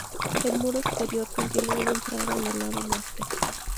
El muro exterior contiene una entrada en el lado norte.